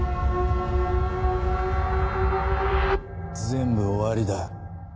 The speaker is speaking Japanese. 全部終わりだ。